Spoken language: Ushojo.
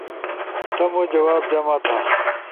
تمُو جواب جمع تھا